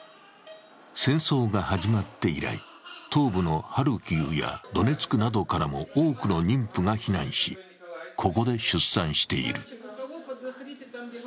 戦争が始まって以来、東部のハルキウやドネツクなどからも多くの妊婦が避難し、ここで出産している。